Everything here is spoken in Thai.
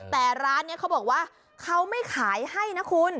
แต่ร้านนี้เขาบอกว่าเขาไม่ขายให้นะคุณ